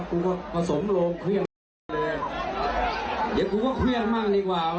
กูก็ฝันสมโลกเครื่องเดี๋ยวกูก็เครื่องมั่งดีกว่าไหว